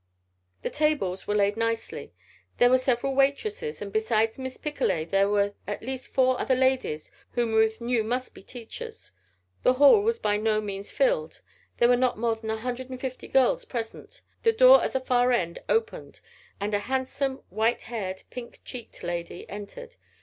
The tables were laid nicely. There were several waitresses, and besides Miss Picolet, there were at least four other ladies whom Ruth knew must be teachers. The hall was by no means filled. There were not more than a hundred and fifty girls present. The door at the far end opened and a handsome, white haired, pink cheeked lady entered.